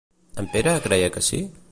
El Pere creia que sí?